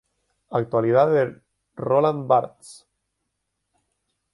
Actualidad de Roland Barthes.